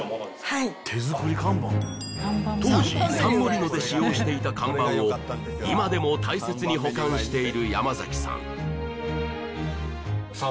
はい当時サンモリノで使用していた看板を今でも大切に保管している山さん